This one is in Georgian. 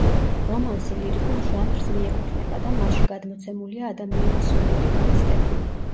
რომანსი ლირიკულ ჟანრს მიეკუთვნება და მასში გადმოცემულია ადამიანის სულიერი განცდები.